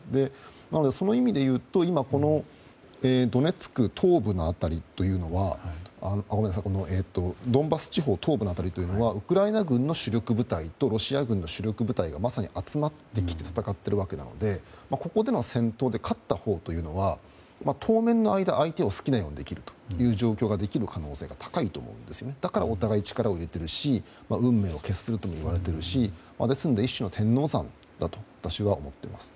なので、その意味で言うと今、ドンバス地方東部の辺りというのはウクライナ軍の主力部隊とロシア軍の主力部隊が集まって戦っているのでここでの戦闘に勝ったほうというのは当面の間、相手を好きなようにできるという状況ができる可能性が高いと思うのでお互い、力を入れているし運命を決するともいわれているし一種の天王山だと私は思っています。